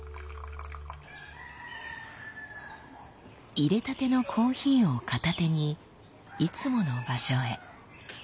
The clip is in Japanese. いれたてのコーヒーを片手にいつもの場所へ。